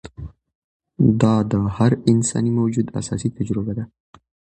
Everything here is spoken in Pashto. دا د هر انساني موجود اساسي تجربه ده.